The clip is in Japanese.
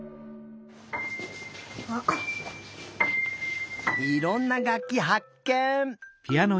いろんながっきはっけん！